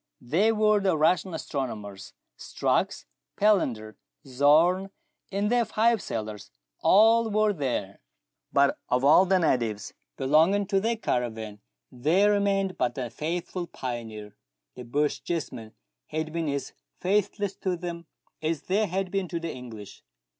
They w^ere the Russian astronomers. Strux, Palander, Zorn, and their five sailors, all were there : but of all the natives belonging to their caravan there remained but the faithful pioneer. The Bochjesmen had been as faithless to them as they had been to the English.